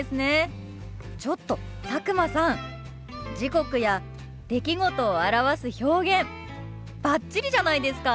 ちょっと佐久間さん時刻や出来事を表す表現バッチリじゃないですか！